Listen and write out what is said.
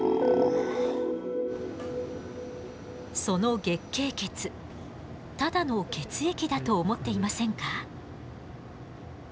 その月経血ただの血液だと思っていませんか？